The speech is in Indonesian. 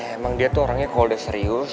ya emang dia tuh orangnya kalau udah serius